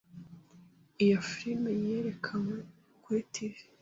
Iyo firime yerekanwe kuri TV.